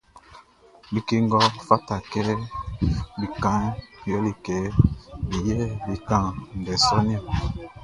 Like ngʼɔ fataman kɛ be kanʼn yɛle kɛ be yɛ be kan ndɛ sɔʼn niɔn.